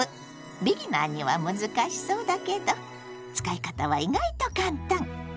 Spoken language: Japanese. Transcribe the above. ビギナーには難しそうだけど使い方は意外と簡単！